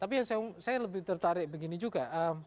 tapi yang saya lebih tertarik begini juga